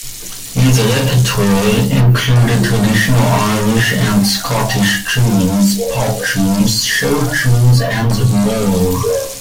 His repertoire included traditional Irish and Scottish tunes, pop tunes, show tunes, and more.